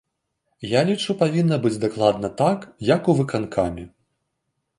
Я лічу павінна быць дакладна так, як у выканкаме.